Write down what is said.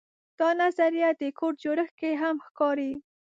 دا نظریه د کور جوړښت کې هم ښکاري.